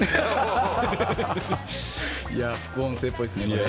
副音声っぽいですね。